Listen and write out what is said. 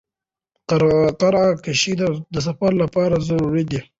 قرعه کشي د سفر لپاره ضروري ده.